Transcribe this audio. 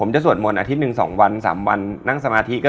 กลัวมาก